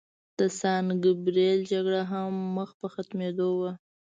د سان ګبریل جګړه هم مخ په ختمېدو وه.